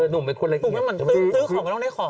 หนูเป็นคนละเอียดถูกมันซื้อของก็ต้องได้ของ